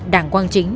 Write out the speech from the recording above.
đảng quang chính